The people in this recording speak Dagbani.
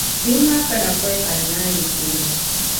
Bihi maa kana pↄi ka n-naanyi kuli